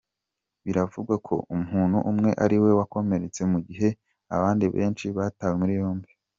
Biravugwa ko umuntu umwe ariwe wakomeretse mu gihe abandi benshi batawe muri yombi.